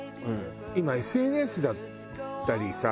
今ＳＮＳだったりさ